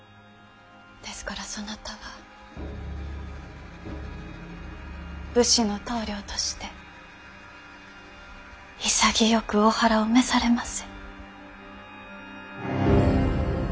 ですからそなたは武士の棟梁として潔くお腹を召されませ。